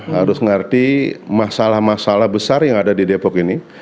harus mengerti masalah masalah besar yang ada di depok ini